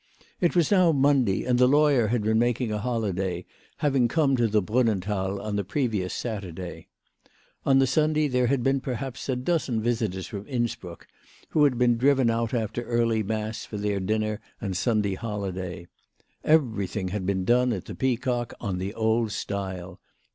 It was now Monday, and the lawyer had been making a holiday, having come to the Brunnenthal on the previous Saturday. On the Sunday there had been perhaps a dozen visitors from Innsbruck who had been driven out after early mass for their dinner and Sunday holiday. Everything had been done at the Peacock on the old style.